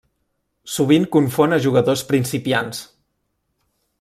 Sovint confon a jugadors principiants.